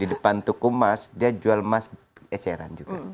di depan tukumas dia jual emas eceran juga